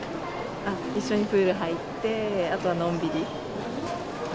一緒にプール入って、あとはのんびり。